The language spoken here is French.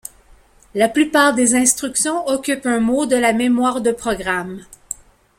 La plupart des instructions occupent un mot de la mémoire de programme.